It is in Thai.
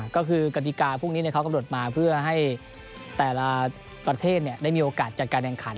ก็คือกติกาพวกนี้เขากำหนดมาเพื่อให้แต่ละประเทศได้มีโอกาสจัดการแข่งขัน